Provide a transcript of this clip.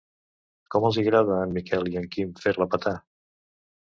Com els hi agrada a en Miquel i en Quim fer-la petar.